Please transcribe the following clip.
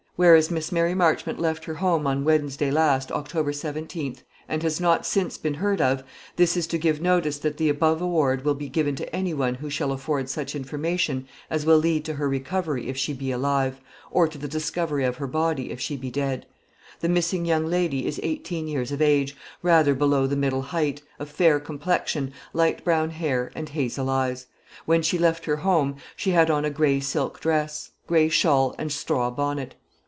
Whereas Miss Mary Marchmont left her home on Wednesday last, October 17th, and has not since been heard of, this is to give notice that the above reward will be given to any one who shall afford such information as will lead to her recovery if she be alive, or to the discovery of her body if she be dead. The missing young lady is eighteen years of age, rather below the middle height, of fair complexion, light brown hair, and hazel eyes. When she left her home, she had on a grey silk dress, grey shawl, and straw bonnet.